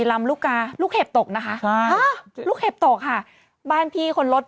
ลำลูกกาลูกเห็บตกนะคะลูกเห็บตกค่ะบ้านพี่คนรถ